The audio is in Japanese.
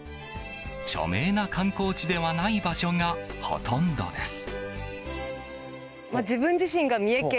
著名な観光地ではない場所がほとんどです。